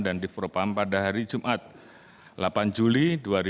dan dipropam pada hari jumat delapan juli dua ribu dua puluh dua